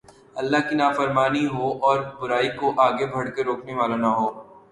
اللہ کی نافرمانی ہو اور برائی کوآگے بڑھ کر روکنے والا نہ ہو